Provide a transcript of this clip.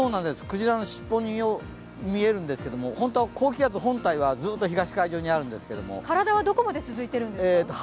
クジラの尻尾に見えるんですけども本当は高気圧本体は東海上にあるんですけど体はどこまで続いてるんですか。